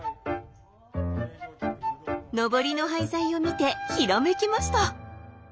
のぼりの廃材を見てひらめきました。